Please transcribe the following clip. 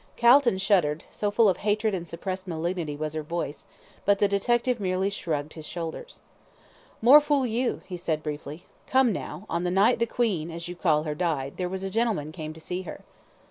Calton shuddered, so full of hatred and suppressed malignity was her voice, but the detective merely shrugged his shoulders. "More fool you," he said, briefly. "Come now, on the night the 'Queen,' as you call her, died, there was a gentleman came to see her?"